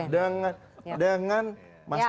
dengan mas anies basudian